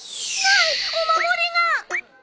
お守りが！